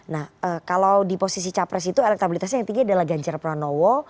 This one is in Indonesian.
nah kalau di posisi capres itu elektabilitasnya yang tinggi adalah ganjar pranowo